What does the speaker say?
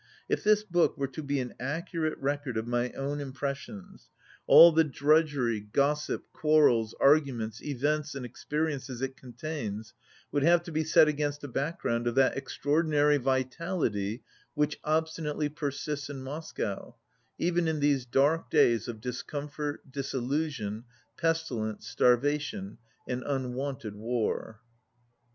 If this book were to be an accurate record of my own impressions, all the drudgery, ix gossip, quarrels, arguments, events and experiences it contains would have to be set against a back ground of that extraordinary vitality which obsti nately persists in Moscow even in these dark days of discomfort, disillusion, pestilence, starvation and unwanted war.